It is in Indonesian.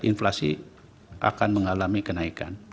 inflasi akan mengalami kenaikan